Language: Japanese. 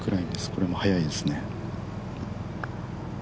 これも速いですね。